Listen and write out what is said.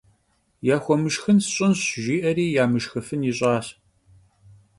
Yaxuemışşxın sş'ınş, — jji'eri yamışşxıfın yiş'aş.